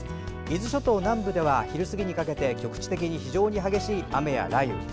伊豆諸島南部では昼過ぎにかけて局地的に非常に激しい雨や雷雨。